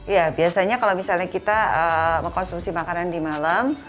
ya biasanya kalau misalnya kita mengkonsumsi makanan di malam